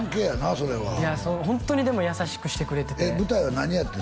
それはホントにでも優しくしてくれてて舞台は何やってん？